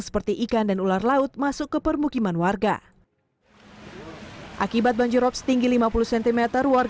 seperti ikan dan ular laut masuk ke permukiman warga akibat banjirop setinggi lima puluh cm